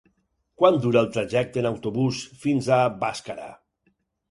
Quant dura el trajecte en autobús fins a Bàscara?